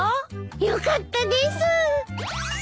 よかったです！